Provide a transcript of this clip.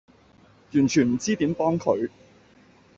完全唔知點幫佢